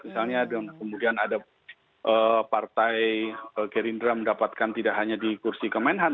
misalnya kemudian ada partai gerindra mendapatkan tidak hanya di kursi kemenhan